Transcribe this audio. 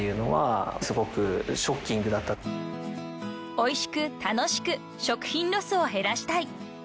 ［おいしく楽しく食品ロスを減らしたい］